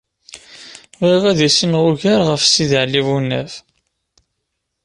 Bɣiɣ ad issineɣ ugar ɣef Sidi Ɛli Bunab.